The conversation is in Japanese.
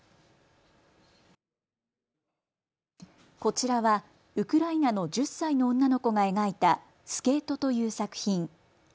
こちらはウクライナの１０歳の女の子が描いたスケートという作品。